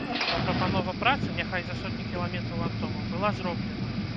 Бо прапанова працы, няхай за сотні кіламетраў ад дома, была зроблена!